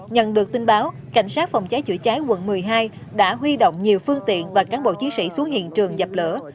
nhận được tin báo cảnh sát phòng cháy chữa cháy quận một mươi hai đã huy động nhiều phương tiện và cán bộ chiến sĩ xuống hiện trường dập lửa